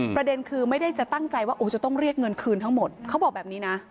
ประเด็นคือไม่ได้จะตั้งใจว่าจะต้องเรียกเงินคืนทั้งหมดเขาบอกแบบนี้นะ